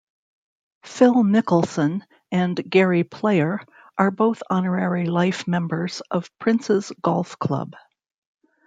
Phil Mickelson and Gary Player are both honorary life members of Prince's Golf Club.